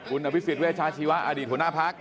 คุณอภิษฎเวชาชีวะอดีตหัวหน้าพัก